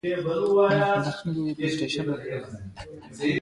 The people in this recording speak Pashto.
د موسی قلعه بازار مشهور دی